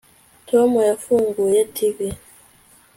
tom yafunguye tv